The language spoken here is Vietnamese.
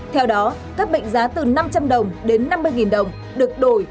theo đó các mệnh giá từ năm trăm linh đồng đến năm mươi đồng được đổi